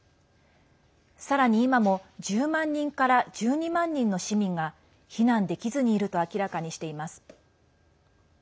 さらに今も１０万人から１２万人の市民が避難できずにいると明らかにしています。